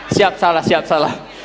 siap salah siap salah